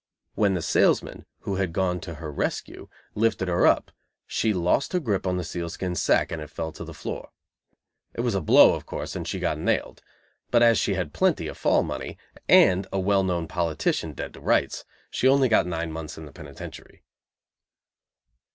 When the salesman, who had gone to her rescue, lifted her up, she lost her grip on the sealskin sacque, and it fell to the floor. It was a "blow," of course, and she got nailed, but as she had plenty of fall money, and a well known politician dead to rights, she only got nine months in the penitentiary.